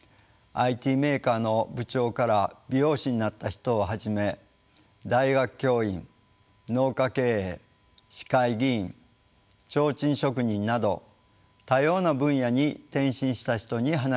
ＩＴメーカーの部長から美容師になった人をはじめ大学教員農家経営市会議員ちょうちん職人など多様な分野に転身した人に話を聞きました。